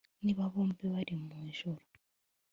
Niba bombi bari mu ijuru